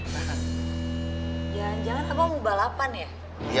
ya jangan jangan abah mau balapan ya